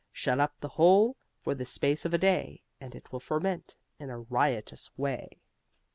Shut up the whole for the space of a day And it will ferment in a riotous way.